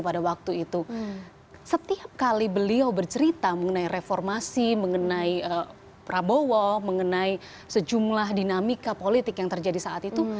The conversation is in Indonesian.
pada waktu itu setiap kali beliau bercerita mengenai reformasi mengenai prabowo mengenai sejumlah dinamika politik yang terjadi saat itu